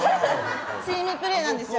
チームプレーなんですよ